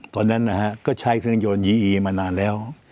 ตอนนั้นนะฮะก็ใช้เครื่องยนยีอีมานานแล้ว